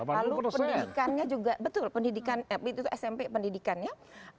lalu pendidikannya juga betul pendidikan smp pendidikannya